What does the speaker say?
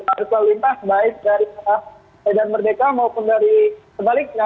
arus lalu lintas baik dari arah medan merdeka maupun dari sebaliknya